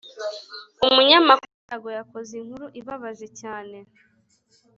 umunyamakuru Yago yakoze inkuru ibabaje cyane